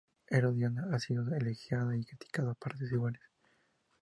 Herodiano ha sido elogiado y criticado a partes iguales.